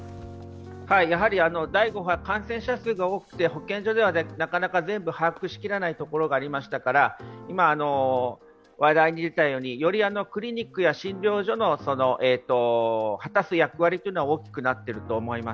やはり第５波は感染者数が多くて保健所では全部把握できないところがありましたから、今、話題に出たようにクリニックや診療所の果たす役割というのは大きくなっていると思います。